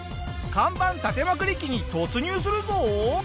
看板立てまくり期に突入するぞ！